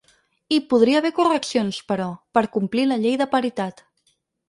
Hi podria haver correccions, però, per complir la llei de paritat.